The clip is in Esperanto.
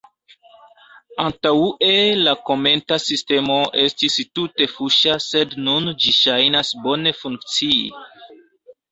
Antaŭe la komenta sistemo estis tute fuŝa sed nun ĝi ŝajnas bone funkcii.